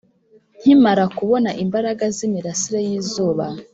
nkimara kubona imbaraga z'imirasire y'izuba